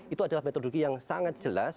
itu adalah metodologi yang sangat jelas